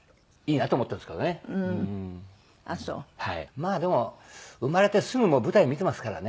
まあでも生まれてすぐもう舞台見てますからね。